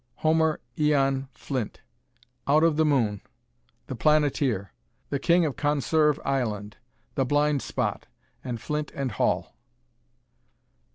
Homer Eon Flint: "Out of the Moon," "The Planeteer," "The King of Conserve Island," "The Blind Spot" and "Flint and Hall."